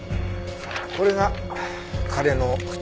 これが彼の靴跡。